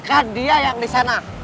kan dia yang disana